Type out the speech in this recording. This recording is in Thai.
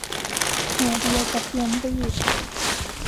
หัวเดียวกระเทียมลีบ